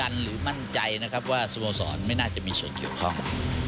สมสอบสโมสรไม่มีส่วนเกี่ยวข้อง